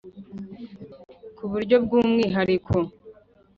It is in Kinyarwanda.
ku buryo bw’umwihariko.